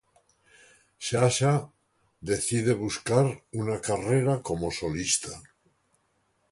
Sasha, decide buscar una carrera como solista.